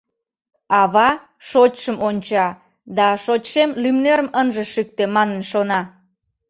Ава шочшым онча да «шочшем лӱмнерым ынже шӱктӧ» манын шона.